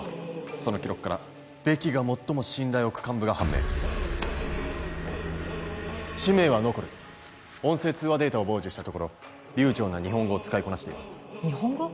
その記録からベキが最も信頼を置く幹部が判明氏名はノコル音声通話データを傍受したところ流ちょうな日本語を使いこなしています日本語？